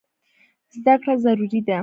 زده کړه ضروري ده.